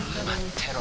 てろ